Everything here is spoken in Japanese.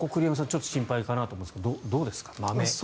ちょっと心配かなと思うんですがどうですか、まめ、爪。